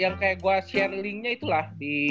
yang kayak gue share linknya itulah